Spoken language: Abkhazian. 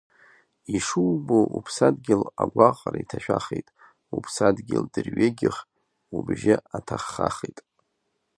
Ишубо уԥсадгьыл агәаҟра иҭашәахит, уԥсадгьыл дырҩегьых убжьы аҭаххахит.